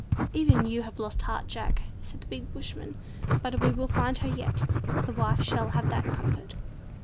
"Even you have lost heart, Jack," said the big bushman, "but we will find her yet; the wife shall have that comfort."